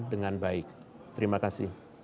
dengan baik terima kasih